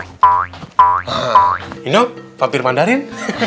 ini tuh pampir mandarin